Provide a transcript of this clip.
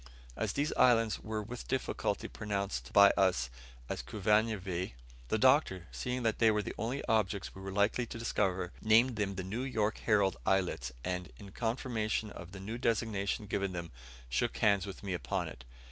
As these islands were with difficulty pronounced by us as Kavunvweh, the Doctor, seeing that they were the only objects we were likely to discover, named them the "'New York Herald' Islets;" and, in confirmation of the new designation given them, shook hands with me upon it.